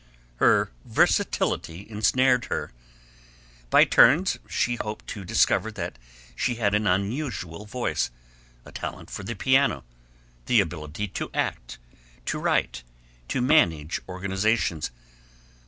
Her versatility ensnared her. By turns she hoped to discover that she had an unusual voice, a talent for the piano, the ability to act, to write, to manage organizations.